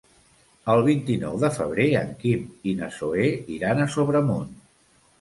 El vint-i-nou de febrer en Quim i na Zoè iran a Sobremunt.